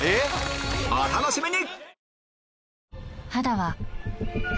お楽しみに！